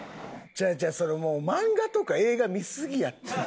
違う違うそれもう漫画とか映画見すぎやって。